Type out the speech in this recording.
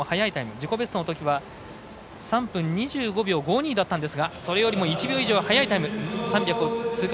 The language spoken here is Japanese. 自己ベストのときは３分２５秒５２だったんですがそれよりも１秒以上速いタイム。